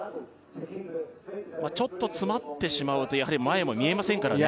ちょっと詰まってしまうとやはり前も見えませんからね